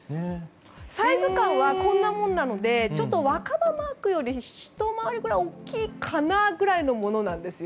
サイズ感はこんなものなので若葉マークよりひと回りくらい大きいかなくらいのものなんです。